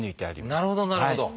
なるほどなるほど。